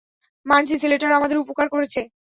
মানছি ছেলেটার আমাদের উপকার করেছে।